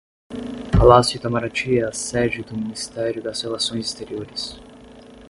Palácio Itamaraty é a sede do Ministério das Relações Exteriores